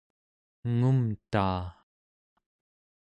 engumtaa